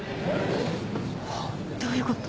どういうこと？